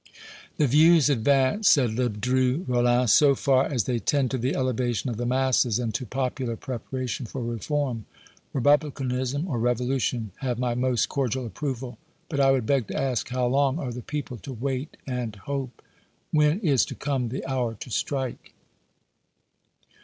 "The views advanced," said Ledru Rollin, "so far as they tend to the elevation of the masses and to popular preparation for reform, Republicanism or revolution, have my most cordial approval; but I would beg to ask how long are the people to 'wait and hope?' When is to come the hour to strike?"